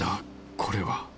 これは